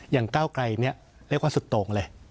ก้าวไกลเนี่ยเรียกว่าสุดโตรงเลย